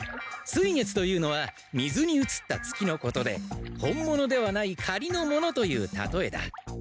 水月というのは水にうつった月のことで本物ではないかりのものというたとえだ。